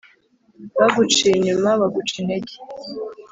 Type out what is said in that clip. baguciye inyuma baguca intege